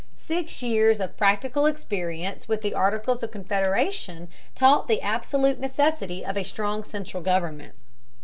Six years of practical experience with the Articles of Confederation taught the absolute necessity of a strong central government.